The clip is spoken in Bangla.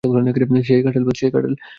সেই কার্টেল বস?